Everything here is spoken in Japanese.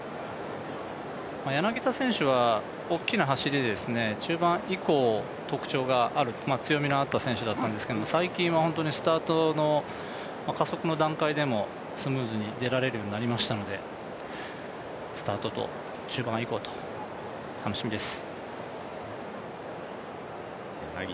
柳田選手で大きな走りで、中盤以降特徴がある、強みのあった選手ですけど最近はスタートの加速の段階でもスムーズに出られるようになりましたので、スタートと中盤以降と楽しみです。